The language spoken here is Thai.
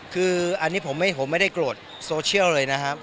คืออันนี้ผมไม่ได้โกรธโซเชียลเลยนะครับ